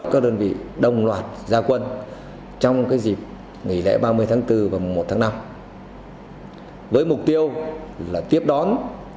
các đơn vị đồng loạt gia quân trong dịp nghỉ lễ ba mươi tháng bốn và một tháng năm với mục tiêu là tiếp đón